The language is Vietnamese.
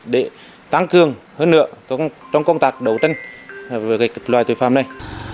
để tăng cường hơn nữa trong công tác đấu tranh với loại tuyệt phạm này